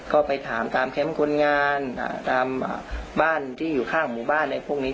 ก็ไปถามตามแคมป์คนงานตามบ้านที่อยู่ข้างหมู่บ้านอะไรพวกนี้